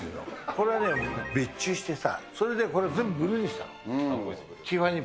これね、別注してさ、それでこれ全部ブルーにした。